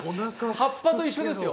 葉っぱと一緒ですよ。